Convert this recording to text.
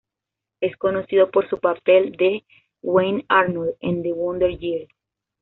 Es conocido por su papel de "Wayne Arnold" en "The Wonder Years".